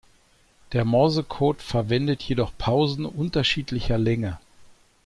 Der Morsecode verwendet jedoch Pausen unterschiedlicher Länge.